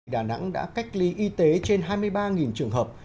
đà nẵng đã cách ly y tế trên hai mươi ba trường hợp